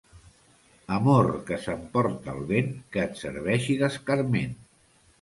Amor que s'emporta el vent, que et serveixi d'escarment.